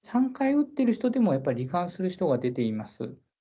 ３回打ってる人でも、やはり罹患する人が出てきています。